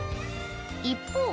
一方